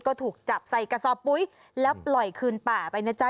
ก็ถูกจับใส่กระสอบปุ๋ยแล้วปล่อยคืนป่าไปนะจ๊ะ